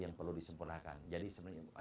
yang perlu disempurnakan jadi sebenarnya